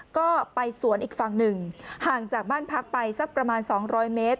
ก็ไปสวนอีกฝั่งหนึ่งห่างจากบ้านพักไปสักประมาณ๒๐๐เมตร